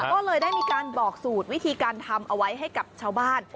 ก็เลยได้มีการบอกสูตรวิธีการทำเอาไว้ให้กับชาวบ้าน